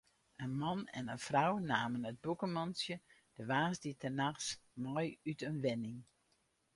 In man en in frou namen it bûkemantsje de woansdeitenachts mei út in wenning.